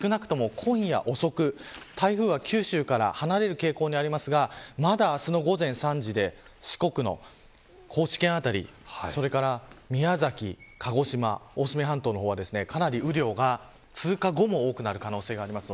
少なくとも今夜遅く台風は九州から離れる傾向にありますがまだ明日の午前３時で四国の高知県辺りそれから宮崎、鹿児島大隅半島の方はかなり雨量が、通過後も多くなる可能性があります。